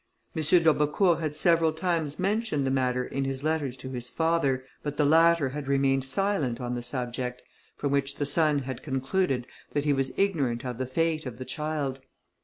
M. d'Aubecourt had several times mentioned the matter in his letters to his father, but the latter had remained silent on the subject, from which the son had concluded that he was ignorant of the fate of the child.